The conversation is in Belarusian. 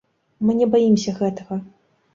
Мы не баімся гэтага.